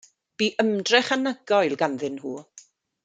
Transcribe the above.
Bu ymdrech anhygoel ganddyn nhw.